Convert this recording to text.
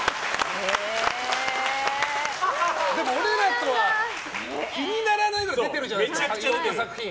でも、俺らとは比にならないくらい出てるじゃないですか、作品。